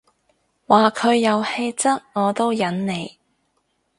話佢有氣質我都忍你